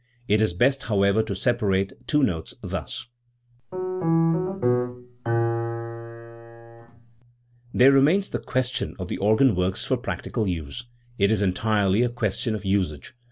It is best, however, to separate the two notes, thus: There remains the question of the organ works for practical use. It is entirely a question of usage.